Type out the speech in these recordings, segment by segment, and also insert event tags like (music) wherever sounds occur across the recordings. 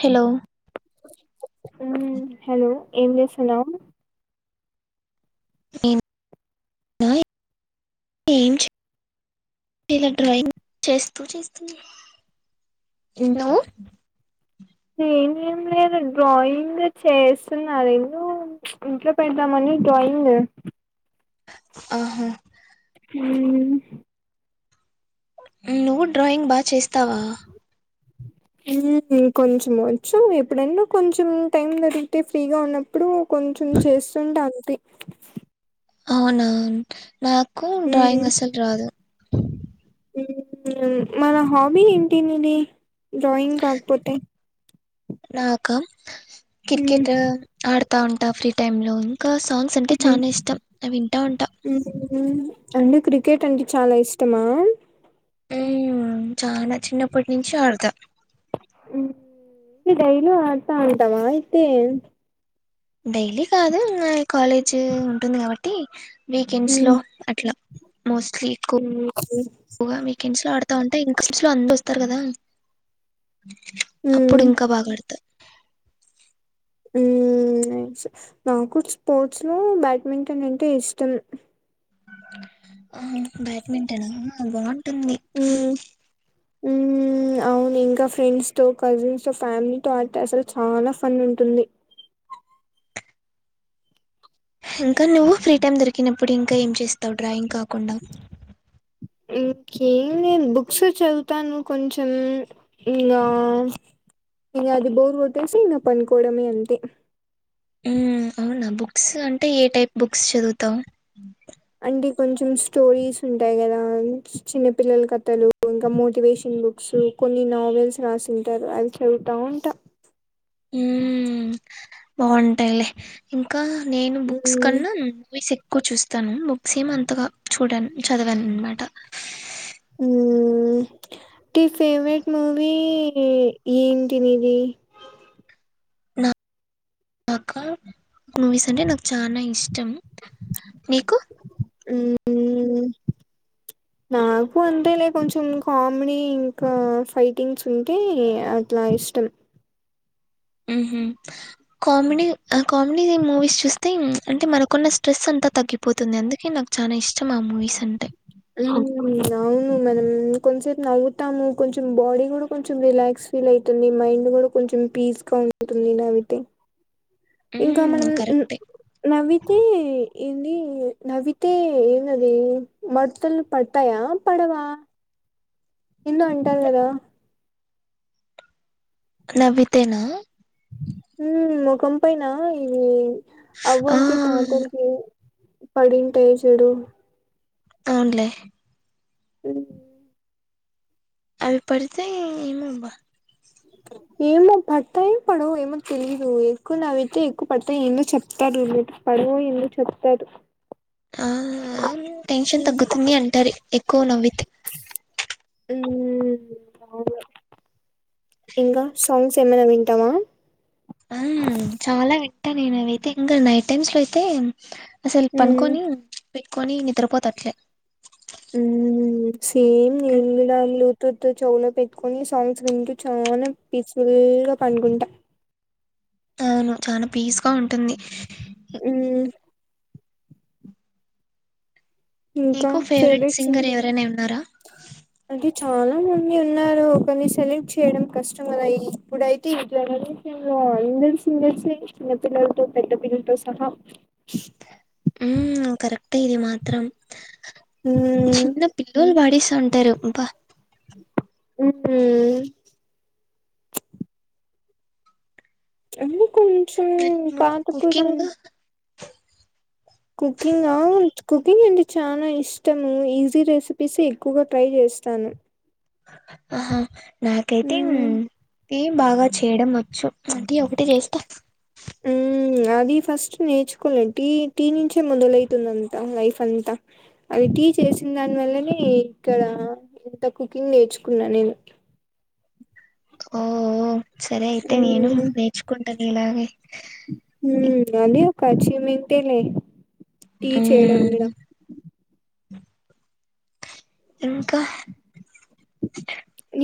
Hello hello ఏం చేస్తున్నావ్ నేనా ఏం చేయలే డ్రాయింగ్ చేస్తూ చేస్తున్నా మ్మ్ నువ్వు నేనేం లేదుా డ్రాయింగ్ చేస్తున్నాెందుో ఇంట్లో పెడదామని డ్రాయింగ్ (inaudible) (inaudible) నువ్వు డ్రాయింగ్ బాగా చేస్తావా కొంచెం వచ్చం ఎప్పుడైనా కొంచెం టైం దొరికితే ఫ్రీగా ఉన్నప్పుడు కొంచెం చేస్తుంటే అంతే అవునావును నా కూ మ్మ్ డ్రయింగ్ సల్ రాదు మన హాబీ ఏంటిది డ్రాయింగ్ కాకపోతే నాక మ్మ్ క్రికెట్ ఆడుతు ఉంటా ఫ్రీ టైంలో ఇం సాంగ్స్ అంటే మ్మ్ చాలా ఇష్టం వింటా ఉంటాం మ్మ్ అంటే క్రికెట్ అంటే చాలా ఇష్టమా ఉమ్మా చాలా చిన్నప్పటి నుంచి అడుత ఇ డైలీ ఆడుతా ఉంటామా అయితే డైలీ కాదు కాలేజీ ఉంటుంది కాబట్టి మ్మ్ (inaudible) హ్మ్ ఆడుతా ఉంటే ఇంక చిట్చలో అంద వస్తారు కదా హ్మ్ అప్పుడు హ్మ్. ఇంకా బాగాడుతారు ఉమ్మా నాకు స్పోర్ట్స్ లో బ్యాడ్మింటన్ అంటే ఇష్టం బ్యాడ్మింటన్ ఫబ ఉమ్మా అవును ఇంకా ఫ్రెండ్స్ తో కజిన్స్ తో ఫ్యామిలీతోో అట అసలు చాలా ఫన్ ఉంటుంది ఇంకా నువ్ ఫ్రీ టైమ్ దరి నప్పుడు ఇంకా ఏం చేస్తావు డ్రాయింగ్ కాకుండా ఓకే నేను బుక్స్ చదువుతాను కొంచెం ఇకా ఇకా అది బోర్ కొట్టేసి ఇకా పనుకోవడమే అంతే అవునా బుక్స్ అంటే ఏ టైప్ బుక్స్ చదువుతాం అ కొంచెం స్టోరీస్ ఉంటాయి కదా చిన్న పిల్లల కథలు ఇంకా మోటివేషన్ బుక్స్ కొన్ని నావెల్స్ రాసింటారు అవి చదువుతా ఉంటా ఉ బాగుంటాయిలే ఇంకా నేను బుక్స్ హ్మ్ కన్నా మూవీస్క్ కూర్ చూస్తాను బుక్స్ ఏం అంతగా చూడ చదివాను అనమాట హ టి ఫేవరెట్ మూవీ ఏన్టినివి కాకా మూవీస్ అంటే నాకు చాలా ఇష్టం నీకు ఊ నాకు అంటేలే కొంచెం కామెడీ ఇంకా ఫైటింగ్స్ ఉంటే అట్లా ఇష్టం. ఉ హు కామెడీ కామెడీ మూవీస్ చూస్తే అంటే మనకున్న స్ట్రెస్ అంతా తగ్గిపోతుంది. అందుకే నాకు చాలా ఇష్టం ఆ మూవీస్ అంటే (unintelligible) మనం కొంతసేపు నవ్వుతాము కొంచెం బాడీ కూడా కొంచెం రిలాక్స్ ఫీల్ అయి తుంది. మైండ్ కూడా కొంచెం పీస్ గా ఉంటుంది. నవ్వితే ఇంకా మ్మ్, మనం ఉ కరెక్టే నవ్వితే ఇన్ని నవ్వితే ఎనందది మర్తల్ పడతాయా పడవా ఎందు అంటారు కదా నవ్వితేనా హ ముఖం పైన ఇది ఆ అవ్వలికి, తాతలకి పడింటే చెడు అవునులే అ అవి పడితే ఏమబ్బా ఏమో పడతాయో పడవు ఏమో తెలీదు ఎక్కువ నవ్వితే ఎక్కువ పడతాయి. ఎన్నో చెప్తారు న పడవు ఎన్నో చెప్తారు. ఆ టెన్షన్ తగ్గుతుంది అంటారు. ఎక్కువ నవ్వితే ఉ అవు ఇంకా సాంగ్స్ ఏమనా వింటావా ఆ చాలా వింటా నేను అవయితే ఇంకా నైట్ టైమ్స్ లో అయితే అసలు ఉమ్ పనుకొని పెట్టుకొని నిద్రపోతట్లే ఉమ్ సేమ్ ఉమ్, నేను విడాములు తూత్ చవులో పెట్టుకొని సాంగ్స్ వింటూ చా పీస్ఫుల్ గా పండుకుంటా అవును చాలా పీస్ గా ఉంటుంది. ఉ ఇంకా మీకు ఫెవరెట్ ఫేవరెట్ సింగర్ ఎవరైనా ఉన్నారా అంటే చాలా మంది ఉన్నారు. ఒకరిని సెలెక్ట్ చేయడం కష్టం కద ఇప్పుడైతే ఈ జనరేషన్ లో అందరు సింగర్స్ చిన్నపిల్లలతో, పెద్ద పిల్లలతో సహా ఊ కరెక్ట్ ఇది మాత్రం మ్మ్ చిన్న పిల్లలు పడేస్త ఉంటారుంప హ అ కొంచం మరి నువ్వు పాత పోరాం కుకింగ్ కుకింగ్ అంటే చాలా ఇష్టము. ఈజీ రెసిపీస్ ఎక్కువగా ట్రై చేస్తాను. ఆహా నాకైతే మ్మ్ ఏం బాగా చేయడం వ స అంటే ఒకటి చేస్తా మ్మ్ అది ఫస్ట్ నేర్చుకోలేను టీ టీ నుంచే మొదలవుతుంది అంత లైఫ్ అంతా అది టీ చేసిన దాని వల్లనే ఇక్కడ ఇంత కుకింగ్ నేర్చుకున్నా నేను ఓ ఒ. సరే అయితే నేను, నేర్చుకుని. (unintelligible) ఊ అదే ఒక కాచ్చి మీతేలే. టీ చేయడం గద. ఇంకా.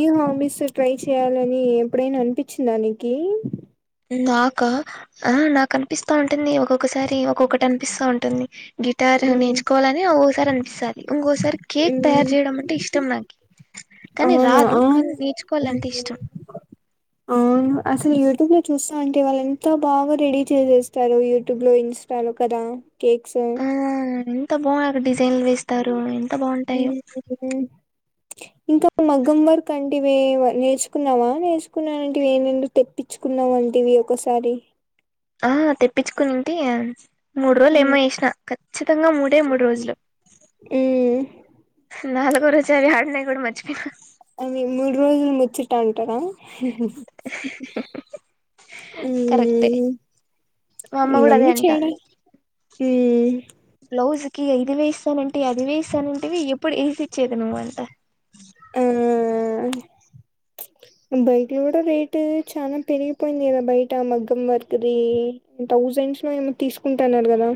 ఈ హాబీస్ ట్రై చేయ్యాలని ఎప్పుడైనా అనిపించిందా నికీ. నాకా ఆ నాకు అనిపిస్తా ఉంటుంది ఒక్కొక్కసారి ఒక్కొక్కటి అనిపిస్తా ఉంటుంది. గిటార్ నేర్చుకోవాలని ఒ. కరణ్ సార్. ఇంకోసారి కేక్ తయారు హ్మ్ చేయడం అంటే ఇష్టం నాకి, కానీ అవునా రాదు, ఆ కానీ హ్మ్ నేర్చుకోవాలంటే ఇష్టం. ఆ అసలు యూట్యూబ్ లో చూస్తా అంటే వాళ్ళు ఎంత బాగా రెడీ చేసేస్తారు యూట్యూబ్ లో ఇన్స్టా లో కదా. Cake sir. ఆ ఎంత బాగా డిజైన్ వేస్. అంటారు ఎంత బాగుంటాయో. హ్మ్ ఇంకా మగం వర్క్ అంటివే నేర్చుకున్నావా నేర్చుకున్నాంటివేవి తెప్పించుకున్నావ అంటివి ఒకసారి. ఆ తెప్పించుకుంది. మూడు రోజులు హ్మ్ ఏమో చేసినా ఖచ్చితంగా మూడే మూడు రోజులు. హ్మ్ నాలుగొ రోజా యే అ అన్నయ్యను గుడా మర్చిపోయిన. అవి మూడు రోజుల ముచ్చటా. కదా కరెక్టే మా అమ్మ కూడా అదే ఇవన్నీ చేయడా. అంటాంది ఊమ్. బ్లౌజ్ కి ఇది వేయిస్తానంటవి అది వేయిస్తానంటేవి ఎప్పుడు వేసి ఇచ్చేది నువ్వు అంట. ఊమ్. బైక్ లో కూడా రేటు చాలా పెరిగిపోయింది కదా బయట మగ్గం వర్క దీ. థౌసండ్స్ లో ఏమో తీసుకుంటున్నాను గదా.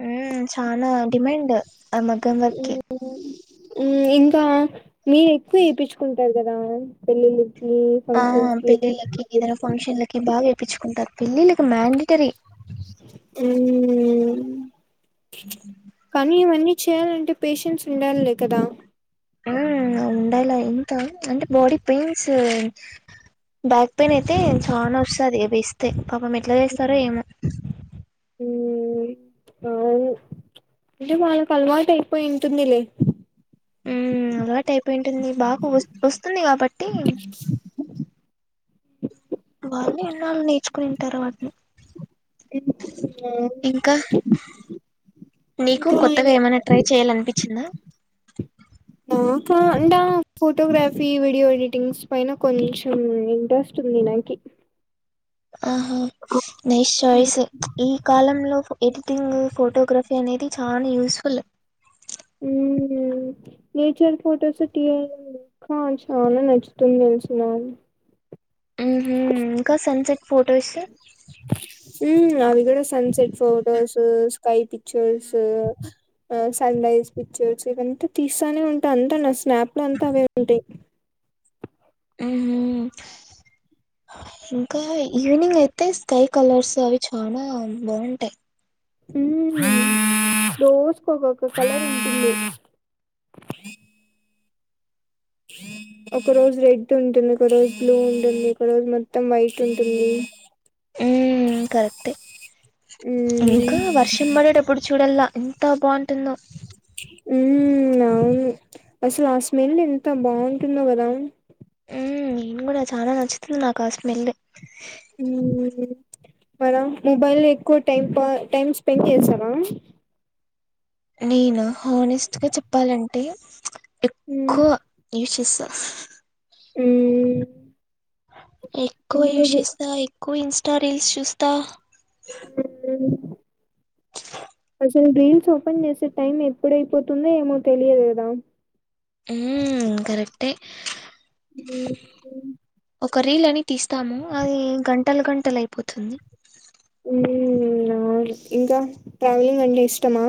హ చానా. డిమైండ్ అ మగ్గం వర్క్ కీ. ఉ ఇంకా మీరు ఎక్కువ వేయిించుకుంటారు కదా పెళ్లిిళ్ళ. ఆ పెళ్లిలకి ఇదర ఫంక్షన్ లకి బాగా. పిచ్చి కుంక్క. పిల్లకు. మండిటరీ ఊమ్ కని ఇవ్వని చేయాల. అంటే పెషేంట్స్ ఉండాలిలే కదా. ఉండయిలా ఇంత అంటే బాడీ పెయిన్స్ బ్యాక్ పయిన్ అయితే చాలా వస్తుంది వే ంత ఒక మెట్లు చేస్తార ఏమో అ ఇే వాళ కల్వాట అయిపోయింటందిలే అలాటు అయిపోయింటుంది బాగా వ వస్తుంది కాబట్టి వాళ్ళు ఎన్నాళ్ళు నేర్చుకునింటారు వాటిని ఉమ్ అవును. ఇంకా నీకు ఇంకా కొత్తగా ఏమైనా ట్రై చేయాల అనిపించిందా అడా ఫోటోగ్రఫీ వీడియో ఎడిటింగ్స్ పైన కొంచెం ఇంట్రెస్ట్ ఉంది నాకి ఆహా నైస్ చాయిస్ ఈ కాలంలోది టింగ్ ఫోటోగ్రఫీ అనేది చాలా యూస్ఫుల్ నేచర్ ఫొటోస్ తీయ ఇకా చనా నచ్చుతుంది తెలిసన్నారు ఫోటోస్ అవి కూడా సన్సెట్ ఫొటోస్ కాై పిక్చర్స్ ఆ సన్ రైజ్ పిక్చర్స్ ఇవంతా తీస్తానే ఉంటాయి అంతా నా స్నాప్ లో అంతా అవే ఉంటాయి ఇంకా ఈవినింగ్ అయితే స్కై కలర్స్ అవి చాలా బాగుంటాయి జోస్కోకక క ఒక రోజు రెడ్ ఉంటుంది ఒక రోజు బ్లూ ఉంటుంది ఒక రోజు మొత్తం వైట్ ఉంటుంది ఉ కరెక్టే మ్మ్ ఇంకా వర్షం పడిట ఎప్పుడు చూడల్లా ఎంతావన్ పెుటును ఉవు అసలు ఆ స్మెల్ ఎంత బాగుంటుందవు కదా నేను కూడా చాలా నచ్చుతుంది నాకు ఆ స్మెల్ మన మొబైల్ లో ఎక్కువ టైమ్ టైమ్ స్పెండ్ చేసాారా నేను హానెస్ట్గా చెప్పాలంటే ఉమ్ ఎక్కువ యశస్సు ఏ ఎక్కువ వ్యూస్ ఇస్తాయి కో ఇన్స్టా రీల్స్ చూస్తా హ అసలు రీల్స్ ఓపెన్ చేసే టైం ఎప్పుడైపోతుందో ఏమో తెలియదు కదా ఉ కరెక్టే ఉమ్ ఒక రీల్ అని తీస్తాము అది గంటల గంటలు అయిపోతుంది ఇంకా ట్రావెలింగ్ అంటే ఇష్టమా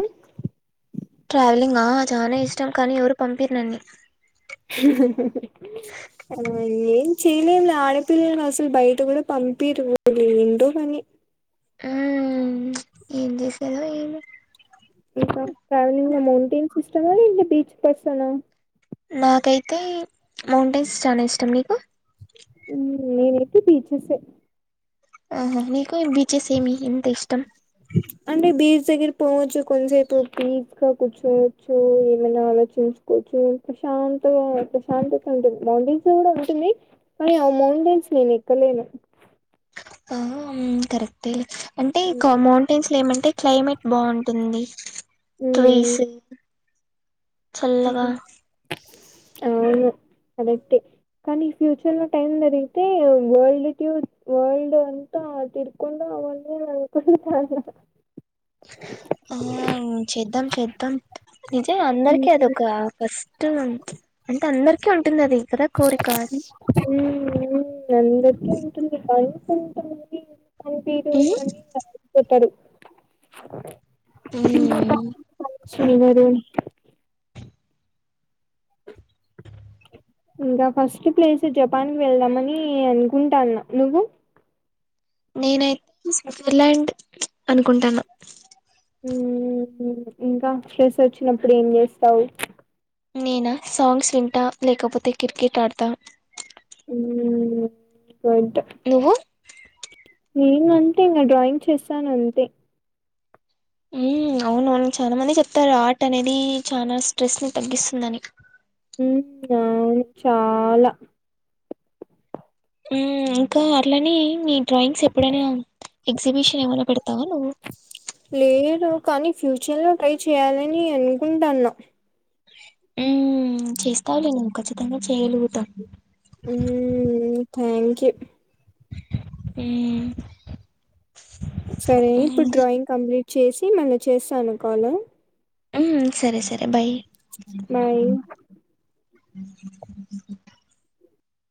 ట్రావెలింగ్ ఆ చాలానే ఇష్టం కానీ ఎవరు పంపిరు నన్నన్ని ఆ నం చేలే ఆడపిల్సలు బయట కూ పంపిరుంటో మరి ఆ ఏం చేసాదో ఏమి ఇ ట్రావెలింగ్ నా మౌంటెన్ చస్ ఇ బీచ్ పసనా నాకైతే మౌంటైన్స్ చనా ఇష్టం నీకు నేనుతే బీచస్ ఆహా నీకు బి చ్చసేమి ఎంత ఇష్టం అంటే బీచ్ దగ్గర పోవచ్చు కొంతసేపు పీస్ గా కూర్చోవచ్చు ఏమైనా ఆలోచించుకోవచ్చు ప్రశాంత ప్రశాంతత ఉంటుంది మౌంటైన్స్ కూడా ఉంటుంది కానీ ఆ మౌంటైన్స్ నేను ఎక్కలేను కరెక్ట్ లే అంటే ఇ మౌంటైన్స్ లో ఏమంటే క్లైమేట్ బాగుంటుంది ఉమ్, ట్రీస్ చల్లగా అవును అదైతే కానీ ఫ్యూచర్ లో టైమ్ దరిగితే వరల్డ్ టూర్ వరల్డ్ అంతా తీర్కొని రావాలనుకుంటున్న ఆ చేద్దాం చేద్దాం నిజం అందరికీ అదొక ఫస్ట్ అంటే అందరి ఉంటుందది ఉ ఉ అందుకే ఉంటుంది పని కొ పంపియరు మ్మ్ అని పెట్టాడు మ్మ్. శీరి వరి ఇంకా ఫస్ట్ ప్లేస్ జపాన్ కి వెళ్దామని అనుకుంటాన నువ్వు నేనైతే స్విట్జర్లాండ్ అనుకుంటాన ఉ ఇంకా స్ట్రస్ వచ్చినప్పుడు ఏం చేస్తావు నేనా సాంగ్స్ వింటా లేకపోతే క్రికెట్ ఆడతా ఉ రయింత నువ్వు నేను అంతే ఇంకా డ్రాయింగ్ చేస్తాను అంతే ఉ అవున అవును చాలా మంది చెప్తారు ఆట అనేది చాలా స్ట్రెస్ ని తగ్గిస్తుందని హ న చాలా ఇంకా అట్లనే మీ డ్రాయింగ్స్ ఎప్పుడైనా ఎగ్జిబిషన్ ఏమైనా పెడతావా నువ్వు లేదు కానీ ఫ్యూచర్ లో ట్రై చేయాలని అనుకుంటాను ఆ చేస్తావులే నుేవు ఖచ్చితంగా చేయగలుగుతాం ఊ ఊ థ్యాంక్ క్యూ ఊ సరే ఇప్పుడు డ్రాయింగ్ కంప్లీట్ చేసి మళ్ళీ చేస్తాను కాలు ఊ సరే సరే బై బాయ్